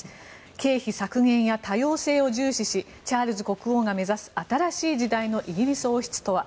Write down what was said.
経費削減や多様性を重視しチャールズ国王が目指す新しい時代のイギリス王室とは。